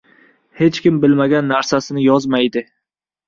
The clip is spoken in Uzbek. Hech kim bilmagan narsasini yozmaydi!